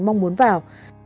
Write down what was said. mong muốn vào